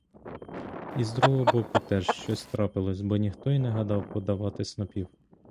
І з другого боку теж щось трапилось, бо ніхто й не гадав подавати снопів.